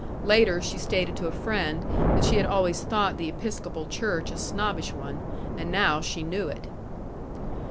Later she stated to a friend that she had always thought the Episcopal Church a snobbish one, and now she knew it.